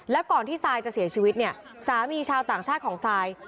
แล้วก่อนที่ซายจะเสียชีวิตเนี่ยสามีชาวต่างชาติของซาย